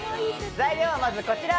材料はまず、こちら。